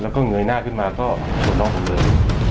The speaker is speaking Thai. แล้วก็เงยหน้าขึ้นมาก็ชนน้องผมเลย